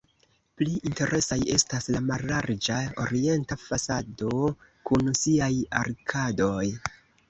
Pli interesaj estas la mallarĝa orienta fasado kun siaj arkadoj.